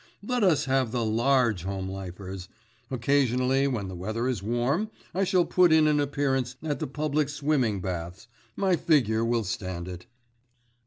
Let us have the Large Home Lifers. Occasionally, when the weather is warm, I shall put in an appearance at the public swimming baths; my figure will stand it."